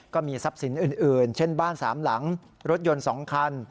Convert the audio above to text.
ก็มีทรัพย์สินอื่นเช่นบ้าน๓หลังรถยนต์๒คัน